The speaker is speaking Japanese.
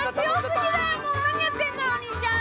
もう何やってんのよお兄ちゃん。